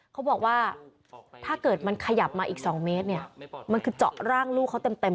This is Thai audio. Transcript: เขาบอกว่าถ้าเกิดมันขยับมาอีก๒เมตรเนี่ยมันคือเจาะร่างลูกเขาเต็ม